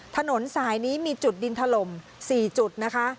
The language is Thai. ถนนสายนี้มีจุดดินถล่ม๔จุดนะคะ